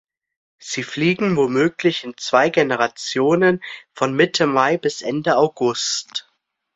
Sie fliegen womöglich in zwei Generationen von Mitte Mai bis Ende August.